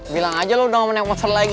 bilang aja lo udah gak mau naik motor lagi